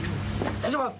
失礼します。